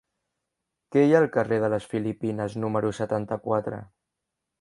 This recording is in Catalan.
Què hi ha al carrer de les Filipines número setanta-quatre?